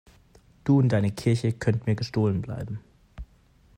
Du und deine Kirche könnt mir gestohlen bleiben.